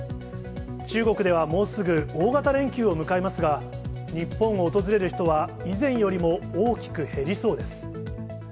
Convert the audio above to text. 中国ではもうすぐ大型連休を迎えますが、日本を訪れる人は以前よりも大きく減りそうです。